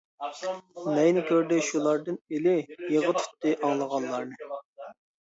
نەينى كۆردى شۇلاردىن ئىلى، يىغا تۇتتى ئاڭلىغانلارنى.